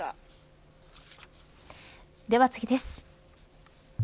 では次です。